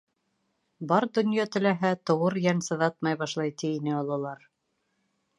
Бар донъя теләһә, тыуыр йән сыҙатмай башлай, ти ине ололар.